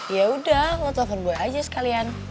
yaudah lo telfon gue aja sekalian